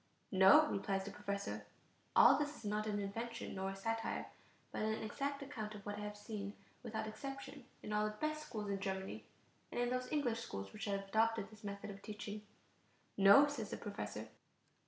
"No," replies the professor (all this is not an invention nor a satire, but an exact account of what I have seen without exception in all the best schools in Germany, and in those English schools which have adopted this method of teaching). "No," says the professor.